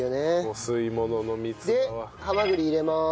お吸い物の三つ葉は。でハマグリ入れます。